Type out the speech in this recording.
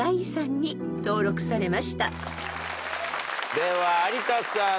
では有田さん。